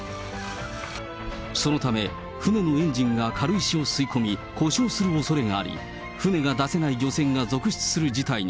そのため、船のエンジンが軽石を吸い込み、故障するおそれがあり、船が出せない漁船が続出する事態に。